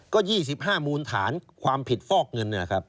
ก็๒๕มูลฐานความผิดฟอกเงินนะครับ